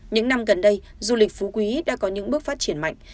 những năm gần đây du lịch phú quý đã có những bước phát triển mạnh